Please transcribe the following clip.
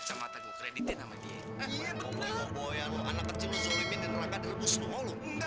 sampai jumpa di video selanjutnya